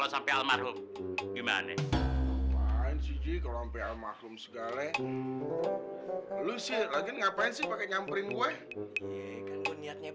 sampai almarhum gimana kalau maklum segala lu sih ngapain sih pakai nyamperin gue